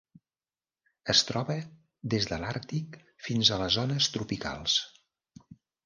Es troba des de l'Àrtic fins a les zones tropicals.